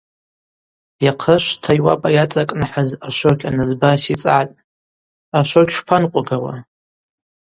Йахърышвтта йуапӏа йыцӏакӏныхӏаз ашвокь анызба сицӏгӏатӏ: – Ашвокь шпанкъвугауа?